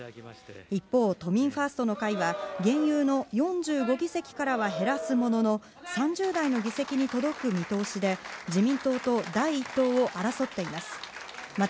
一方、都民ファーストの会は現有の４５議席からは減らすものの３０台の議席に見通しで、自民党と第１党を争っています。